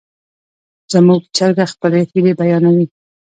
زموږ چرګه خپلې هیلې بیانوي.